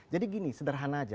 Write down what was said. jadi gini sederhana saja